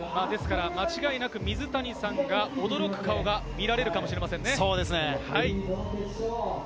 間違いなく水谷さんが驚く顔が見られるかもしれませんね。